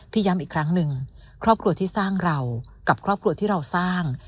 ย้ำอีกครั้งหนึ่งครอบครัวที่สร้างเรากับครอบครัวที่เราสร้าง